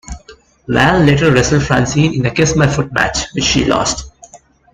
Val later wrestled Francine in a Kiss My Foot match, which she lost.